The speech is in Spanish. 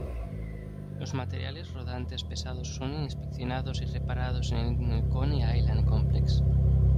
Los materiales rodantes pesados son inspeccionados y reparados en el Coney Island Complex.